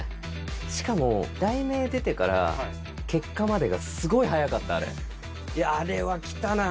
しかも、題名出てから、結果までがすごい早かった、あれ。